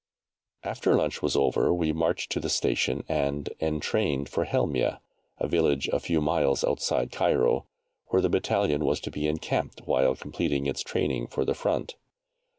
After lunch was over we marched to the station and entrained for Helmieh, a village a few miles outside Cairo, where the battalion was to be encamped, while completing its training for the front.